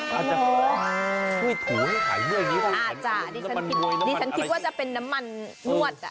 ช่วยถูให้ขายด้วยอาจจะดิฉันคิดว่าจะเป็นน้ำมันนวด